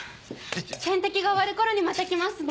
点滴が終わる頃にまた来ますね。